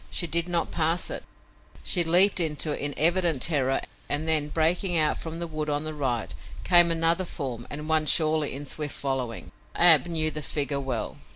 She did not pass it. She leaped into it in evident terror and then, breaking out from the wood on the right, came another form and one surely in swift following. Ab knew the figure well.